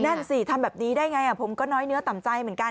นั่นสิทำแบบนี้ได้ไงผมก็น้อยเนื้อต่ำใจเหมือนกัน